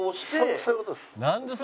そういう事です。